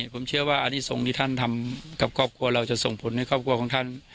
ผมเชื่อว่าอันนี้ทรงที่ท่านทำกับครอบครัวเราจะส่งผลให้ครอบครัวของท่าน